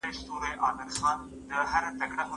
که په کور کې زده کړه وي، ماشوم بې سواده نه پاتې کېږي.